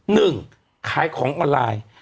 หนึ่งขายของออนไลน์